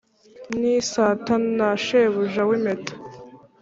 n' isata na shebuja w' impeta